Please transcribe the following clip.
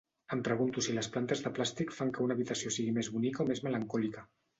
Em pregunto si les plantes de plàstic fan que una habitació sigui més bonica o més melancòlica.